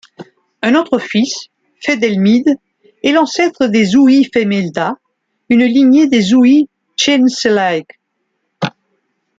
Un autre fils Fedelmid est l'ancêtre des Uí Felmeda, une lignée des Uí Cheinnselaigh.